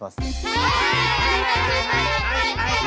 はい。